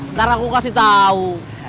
ntar aku kasih tahu